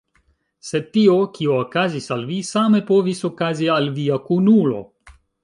Sed tio, kio okazis al vi, same povis okazi al via kunulo.